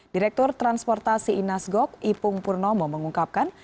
direktur transportasi inas gok ipung purnomo mengungkapkan